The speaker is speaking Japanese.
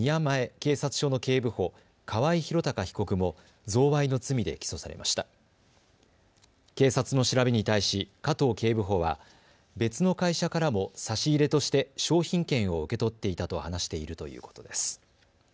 警察の調べに対し加藤警部補は別の会社からも差し入れとして商品券を受け取っていたと話しているということです。